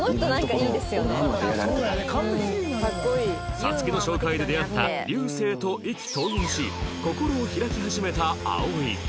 皐月の紹介で出会った流星と意気投合し心を開き始めた葵